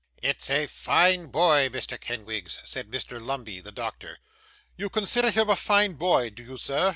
'It's a fine boy, Mr. Kenwigs,' said Mr. Lumbey, the doctor. 'You consider him a fine boy, do you, sir?